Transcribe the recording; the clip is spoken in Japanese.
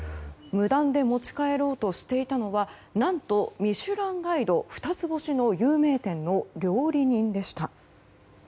無断で持ち帰ろうとしていたのは何と「ミシュランガイド」二つ星の有名店の料理人でした。